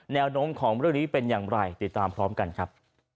แนวโน้มของเรื่องนี้เป็นอย่างไรติดตามพร้อมกันครับ